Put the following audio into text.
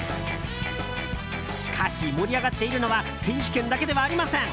しかし、盛り上がっているのは選手権だけではありません。